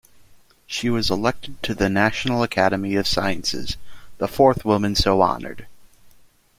She was elected to the National Academy of Sciences, the fourth woman so honored.